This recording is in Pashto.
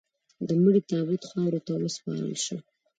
د مړي تابوت خاورو ته وسپارل شو.